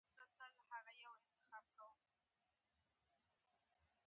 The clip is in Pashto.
د ژوند یو نوی فرصت دی.